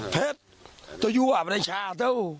เพชรตัวอยู่อาบในชาเท่า